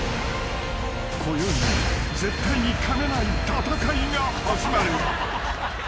［こよいも絶対にかめない戦いが始まる］